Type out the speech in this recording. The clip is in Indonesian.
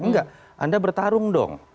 enggak anda bertarung dong